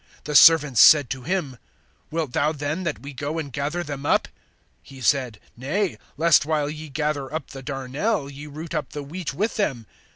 The servants said to him: Wilt thou then that we go and gather them up? (29)He said: Nay, lest while ye gather up the darnel, ye root up the wheat with them.